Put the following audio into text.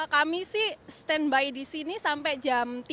kami sih standby di sini sampai jam tiga